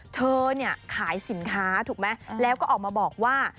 เธอเนี่ยขายสินค้าถูกไหมแล้วก็ออกมาบอกว่า